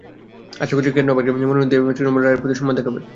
আশা করছি, কেন্দ্র আমাকে মনোনয়ন দিয়ে তৃণমূলের রায়ের প্রতি সম্মান দেখাবে।